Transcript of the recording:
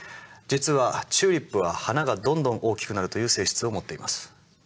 実はチューリップは花がどんどん大きくなるという性質を持っています。